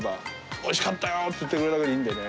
おいしかったよって言ってくれるだけでいいんだよね。